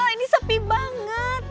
ini sepi banget